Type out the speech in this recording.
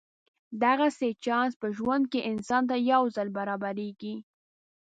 دغسې چانس په ژوند کې انسان ته یو ځل برابرېږي.